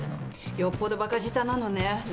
よっぽどばか舌なのね何？